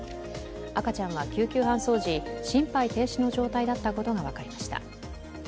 赤ちゃんは救急搬送時、心肺停止の状態だったことが分かりました。